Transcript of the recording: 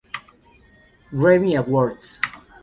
Grammy Awards